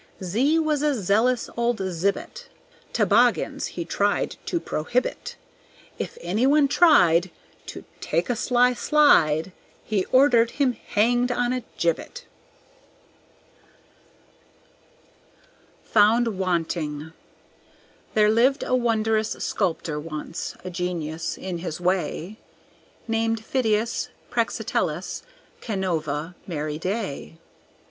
Z was a zealous old Zibet, Toboggans he tried to prohibit. If any one tried To take a sly slide, He ordered him hanged on a gibbet. Found Wanting There lived a wondrous sculptor once, a genius in his way, Named Phidias Praxiteles Canova Merryday.